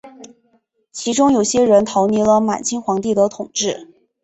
其中有些人逃离了满清皇帝的统治。